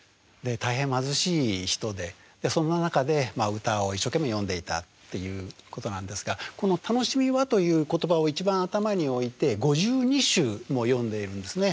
大変貧しい人でそんな中で歌を一生懸命詠んでいたっていうことなんですがこの「たのしみは」という言葉を一番頭に置いて５２首も詠んでいるんですね。